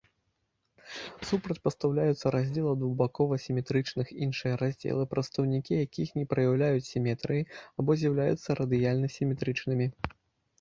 Супрацьпастаўляюцца раздзелу двухбакова-сіметрычных іншыя раздзелы, прадстаўнікі якіх не праяўляюць сіметрыі або з'яўляюцца радыяльна-сіметрычнымі.